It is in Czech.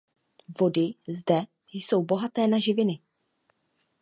Vody zde jsou bohaté na živiny.